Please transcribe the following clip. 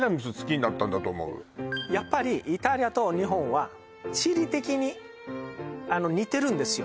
やっぱりイタリアと日本は地理的に似てるんですよ